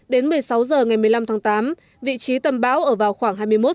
đến một mươi sáu h ngày một mươi năm tháng tám vị trí tâm bão ở vào khoảng hai mươi một